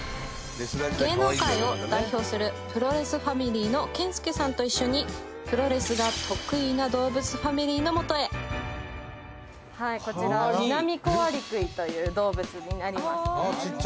芸能界を代表するプロレスファミリーの健介さんと一緒にプロレスが得意な動物ファミリーのもとへはいこちらという動物になりますあっ